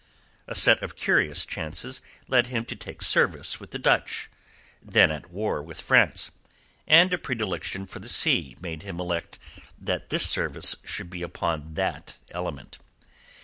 A set of curious chances led him to take service with the Dutch, then at war with France; and a predilection for the sea made him elect that this service should be upon that element.